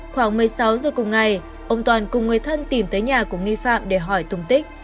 khoảng một mươi sáu giờ cùng ngày ông toàn cùng người thân tìm thấy nhà của nghi phạm để hỏi tùng tích